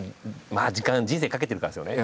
時間人生かけてるからですよね。